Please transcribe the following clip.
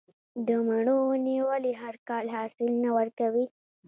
د مڼو ونې ولې هر کال حاصل نه ورکوي؟